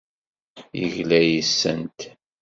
Yegla yes-sent.